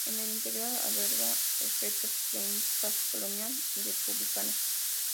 En el interior alberga objetos pre incas, colonial y republicana.